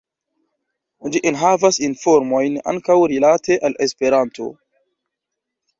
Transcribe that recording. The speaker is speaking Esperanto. Ĝi enhavas informojn ankaŭ rilate al Esperanto.